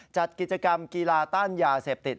จัดกิจกรรมกีฬาต้านยาเสพติด